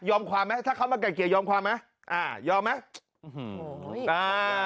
ยอมความไหมถ้าเขามาไก่เกลี่ยยอมความไหมอ่ายอมไหมอ่า